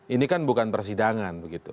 ini kan bukan persidangan begitu